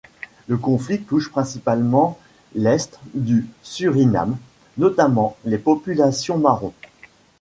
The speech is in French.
Le conflit touche principalement l'est du Surinam, notamment les populations marrons.